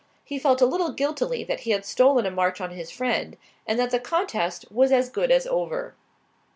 He felt a little guiltily that he had stolen a march on his friend, and that the contest was as good as over.